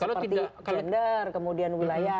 kalau tidak gender kemudian wilayah